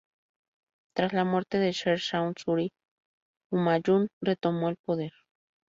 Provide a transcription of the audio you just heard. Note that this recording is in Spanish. Tras la muerte de Sher Shah Suri, Humayun retomó el poder.